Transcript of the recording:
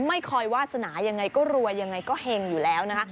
ไม่คอยวาสนายังไงก็รวยยังไงก็เห็งอยู่แล้วนะคะ